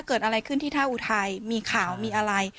เกิดอะไรขึ้นที่ท่าอุทัยมีข่าวมีอะไร